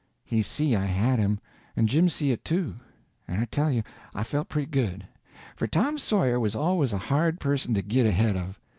He see I had him, and Jim see it too; and I tell you, I felt pretty good, for Tom Sawyer was always a hard person to git ahead of.